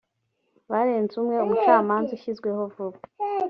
barenze umwe umucamanza ushyizweho vuba